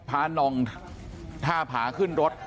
นองท่าผาขึ้นรถ